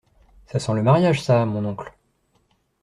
Ça sent le mariage ça, mon oncle.